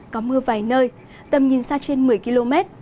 có mưa vài nơi tầm nhìn xa trên một mươi km